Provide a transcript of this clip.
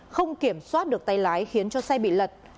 không kiểm soát được tay lái khiến cho xe bị lật